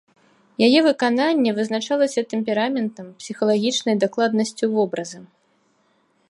Яе выкананне вызначалася тэмпераментам, псіхалагічнай дакладнасцю вобраза.